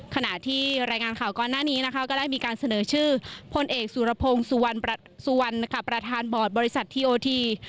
ขณะที่รายงานข่าวก่อนหน้านี้นะคะก็ได้มีการเสนอชื่อพลเอกสุรพงศ์สุวรรณสุวรรณประธานบอร์ดบริษัททีโอที